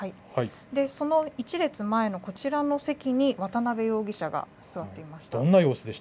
その１列前のこちらの席に、渡邉容疑者が座っていました。